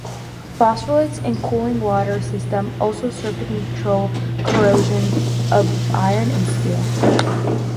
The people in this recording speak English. Phosphonates in cooling water systems also serve to control corrosion of iron and steel.